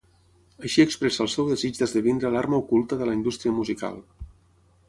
Així expressa el seu desig d'esdevenir l'arma oculta de la indústria musical.